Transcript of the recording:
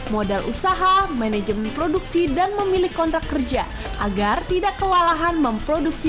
modal usaha manajemen produksi dan memilih kontrak kerja agar tidak kewalahan memproduksi